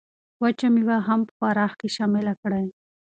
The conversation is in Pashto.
وچه مېوه هم په خوراک کې شامله کړئ.